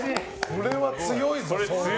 これは強いぞ。